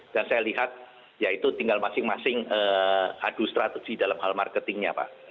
dan saya lihat ya itu tinggal masing masing adustratusi dalam hal marketingnya pak